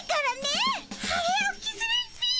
早起きするっピィ。